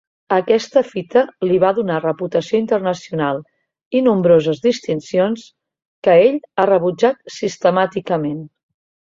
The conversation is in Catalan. Aquesta fita li va donar reputació internacional i nombroses distincions que ell ha rebutjat sistemàticament.